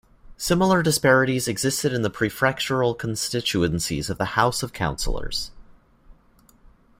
Similar disparities existed in the prefectural constituencies of the House of Councillors.